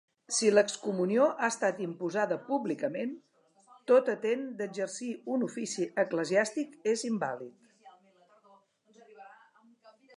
Si l'excomunió ha estat imposada públicament, tot atent d'exercir un ofici eclesiàstic és invàlid.